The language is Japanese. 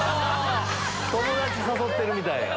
友達誘ってるみたいやん。